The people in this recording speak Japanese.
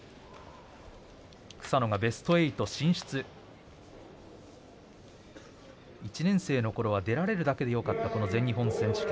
草野がベスト８進出１年生のころは出られるだけでよかった、この全日本選手権